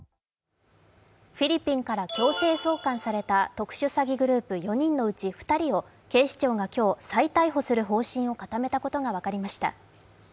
フィリピンから強制送還された特殊詐欺グループ４人のうち２人を警視庁が今日、再逮捕する方針を固めたことが分かりました。